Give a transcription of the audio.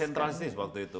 centralistis waktu itu